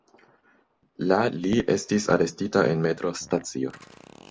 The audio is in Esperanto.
La li estis arestita en metro-stacio.